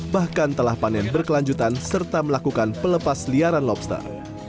bahkan telah panen berkelanjutan serta melakukan pelepas liaran lobster